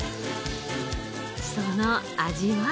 その味は？